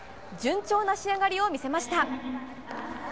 順調な仕上がりを見せました。